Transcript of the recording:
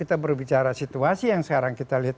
ataupun undefiattional byrush lombard lalu juga di atas